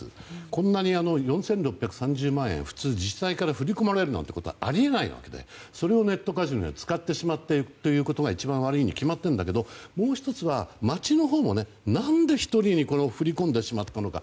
こんなに４６３０万円普通、自治体から振り込まれるなんてことはあり得ないのでそれをネットカジノで使ってしまっていることが一番悪いに決まっているんだけどもう１つは町のほうも何で１人に振り込んでしまったのか。